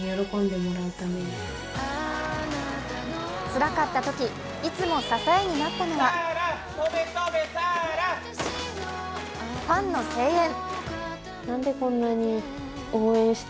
つらかったとき、いつも支えになったのはファンの声援。